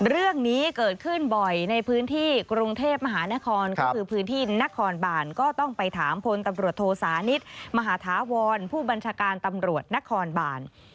เรื่องนี้เกิดขึ้นบ่อยในพื้นที่กรุงเทพมหานครก็คือพื้นที่นครบานก็ต้องไปถามพลตำรวจโทสานิทมหาธาวรผู้บัญชาการตำรวจนครบาน